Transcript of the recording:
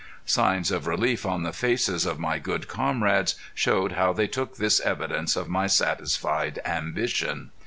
Signs of relief on the faces of my good comrades showed how they took this evidence of my satisfied ambition.